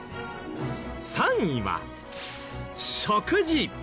３位は食事。